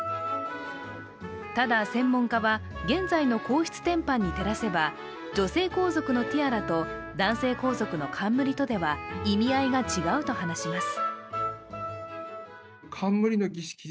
ただ専門家は、現在の皇室典範に照らせば女性皇族のティアラと男性皇族の冠とでは意味合いが違うと話します。